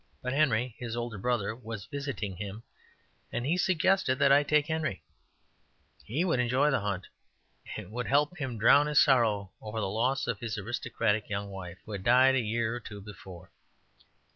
But Henry, his older brother, was visiting him, and he suggested that I take Henry; he would enjoy the hunt, and it would help him drown his sorrow over the loss of his aristocratic young wife, who had died a year or two before.